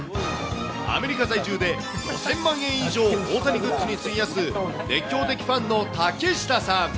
アメリカ在住で５０００万円以上大谷グッズに費やす熱狂的ファンの竹下さん。